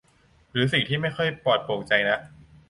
หรือสิ่งที่ไม่ค่อยปลอดโปร่งใจนัก